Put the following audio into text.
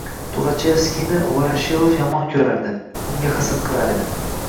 Tuxachevskiyni Voroshilov yomon ko’rardi. Unga hasad qilar edi.